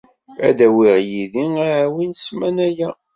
Ad d-awiɣ yid-i aɛwin ssmana-ya.